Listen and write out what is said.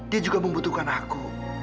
dia juga membutuhkan aku